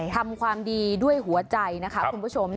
ทำความดีด้วยหัวใจนะคะคุณผู้ชม